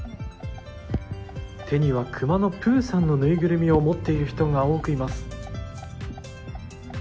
手にはくまのプーさんのぬいぐるみを持っている人が多くいます。